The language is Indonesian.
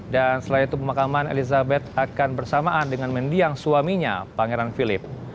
dan setelah itu pemakaman elizabeth akan bersamaan dengan mendiang suaminya pangeran philip